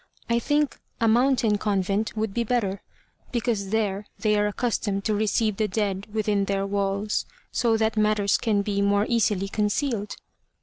I think a mountain convent would be better, because there they are accustomed to receive the dead within their walls, so that matters can be more easily concealed."